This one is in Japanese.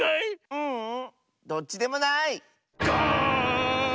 ううんどっちでもない！ガーン！